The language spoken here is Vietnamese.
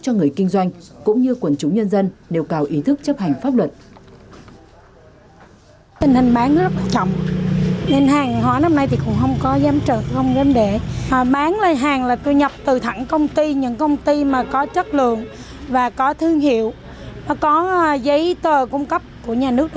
cho người kinh doanh cũng như quần chúng nhân dân đều cao ý thức chấp hành pháp luật